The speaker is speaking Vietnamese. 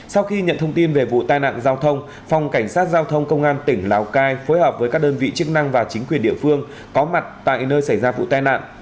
sau khi nhận thông tin về vụ tai nạn giao thông phòng cảnh sát giao thông công an tỉnh lào cai phối hợp với các đơn vị chức năng và chính quyền địa phương có mặt tại nơi xảy ra vụ tai nạn